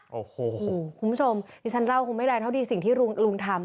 คุณผู้ชมดิฉันเล่าคุณไม่ได้เท่าดีสิ่งที่ลุงทำ